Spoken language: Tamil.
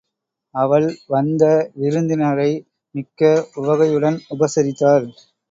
அவள் வந்த விருந்தினரை மிக்க உவகையுடன் உபசரித்தாள்.